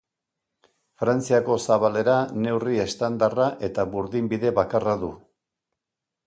Frantziako zabalera neurri estandarra eta burdinbide bakarra du.